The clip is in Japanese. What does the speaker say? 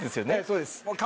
そうです。